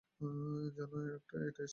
Gen, এটা stage four.